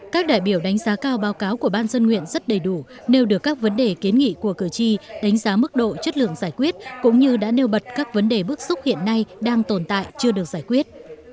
các đại biểu đánh giá cao báo cáo của ban dân nguyện rất đầy đủ nêu được các vấn đề kiến nghị của cử tri đánh giá mức độ chất lượng giải quyết cũng như đã nêu bật các vấn đề bước xúc hiện nay đang tồn tại chưa được giải quyết